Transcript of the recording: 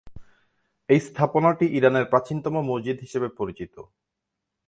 এই স্থাপনাটি ইরানের প্রাচীনতম মসজিদ হিসেবে পরিচিত।